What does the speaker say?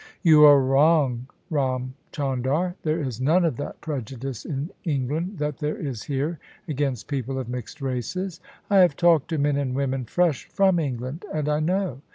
" "You are wrong, Ram Chandar: there is none of that prejudice in England that there is here against people of mixed races. I have talked to men and women fresh from England, and I know.